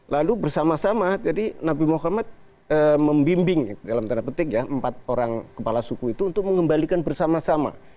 lalu bersama sama jadi nabi muhammad membimbing dalam tanda petik ya empat orang kepala suku itu untuk mengembalikan bersama sama